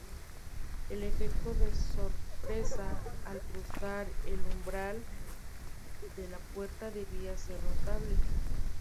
El efecto de sorpresa al cruzar el umbral de la puerta debía ser notable.